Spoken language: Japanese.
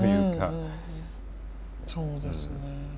そうですね。